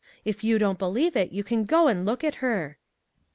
If you don't believe it, you can go and look at her."